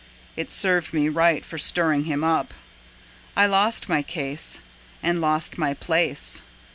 It served me right for stirring him up. I lost my case and lost my place.